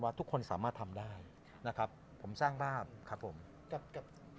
ว่าทุกคนสามารถทำได้ผมสร้างภาพครับผม